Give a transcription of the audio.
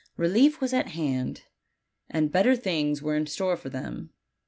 Eelief was at hand, and better things were in store for them.